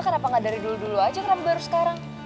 kenapa gak dari dulu dulu aja ngerum baru sekarang